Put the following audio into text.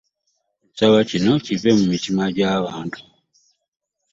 Nsaba kino kive mu mitima gy'abantu.